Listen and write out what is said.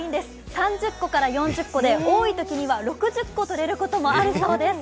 ３０個から４０個で多いときには６０個とれることもあるんだそうです。